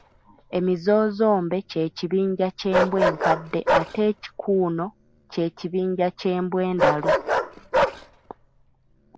Emizoozombe ky’ekibinja ky’embwa enkadde ate ekikuuno ky’ekibinja ky’Embwa endalu.